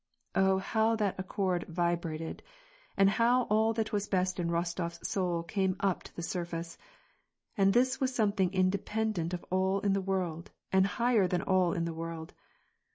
Oh ! how that accord vibrated ! and how all that was best in BostoFs soul came up to the surface. And this was some thing independent of all in the world, and higher than all in the world.